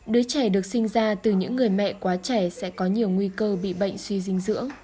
đứa trẻ được sinh ra từ những người mẹ quá trẻ sẽ có nhiều nguy cơ bị bệnh suy dinh dưỡng